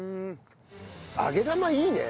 揚げ玉いいね。